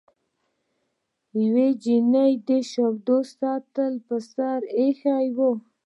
یوې نجلۍ د شیدو سطل په سر ایښی و.